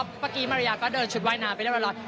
เมื่อกี้มาริยาก็เดินชุดว่ายน้ำไปเรียบร้อย